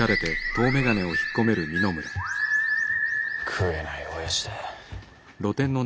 食えないおやじだ。